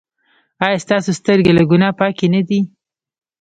ایا ستاسو سترګې له ګناه پاکې نه دي؟